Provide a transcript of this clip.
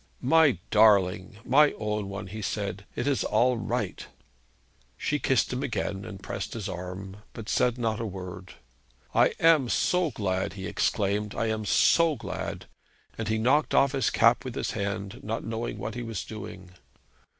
'My darling, my own one,' he said, 'it is all right.' She kissed him again and pressed his arm, but said not a word. 'I am so glad,' he exclaimed; 'I am so glad!' And he knocked off his cap with his hand, not knowing what he was doing.